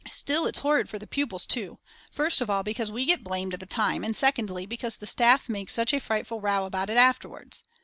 Still, it's horrid for the pupils too first of all because we get blamed at the time and secondly because the staff makes such a frightful row about it afterwards.